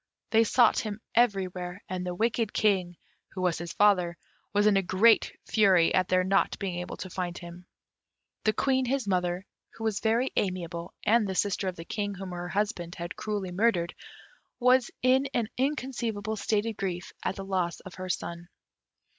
They sought him everywhere, and the wicked King, who was his father, was in a great fury at their not being able to find him. The Queen, his mother, who was very amiable, and sister of the King whom her husband had cruelly murdered, was in an inconceivable state of grief at the loss of her son.